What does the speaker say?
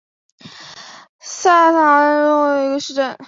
萨森豪森是德国图林根州的一个市镇。